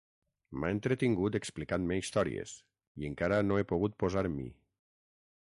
M'ha entretingut explicant-me històries, i encara no he pogut posar-m'hi.